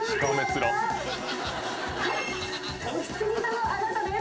おひつじ座のあなたです。